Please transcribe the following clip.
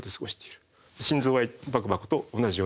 心臓はバクバクと同じように動いている。